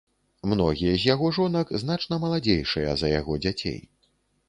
Многія з яго жонак значна маладзейшыя за яго дзяцей.